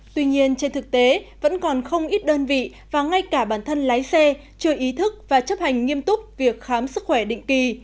tuy nhiên trên thực tế vẫn còn không ít đơn vị và ngay cả bản thân lái xe chưa ý thức và chấp hành nghiêm túc việc khám sức khỏe định kỳ